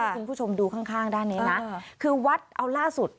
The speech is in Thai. คุณผู้ชมดูข้างข้างด้านนี้นะคือวัดเอาล่าสุด